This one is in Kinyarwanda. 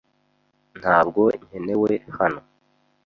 Ntabwo nkenewe hano.